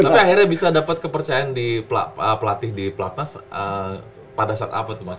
tapi akhirnya bisa dapat kepercayaan di pelatih di platnas pada saat apa tuh mas